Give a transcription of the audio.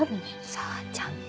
さーちゃんって。